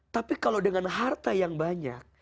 tapi kalau dengan harta yang banyak